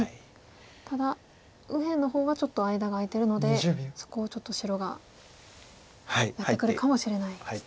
ただ右辺の方はちょっと間が空いてるのでそこをちょっと白がやってくるかもしれないんですね。